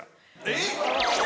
えっ！